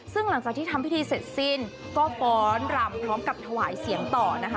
ซึ่งหลังจากที่ทำพิธีเสร็จสิ้นก็ฟ้อนรำพร้อมกับถวายเสียงต่อนะคะ